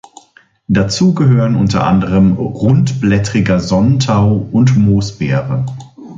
Dazu gehören unter anderem Rundblättriger Sonnentau und Moosbeere.